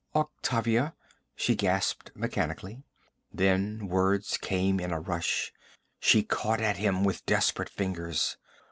'Octavia,' she gasped mechanically. Then words came in a rush. She caught at him with desperate fingers.